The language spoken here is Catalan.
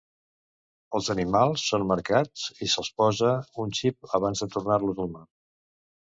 Els animals són marcats i se'ls posa un xip abans de tornar-los al mar.